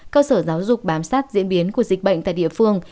cơ sở giáo dục bám sát diễn biến của dịch bệnh tại địa phương